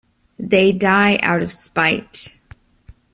They die out of spite.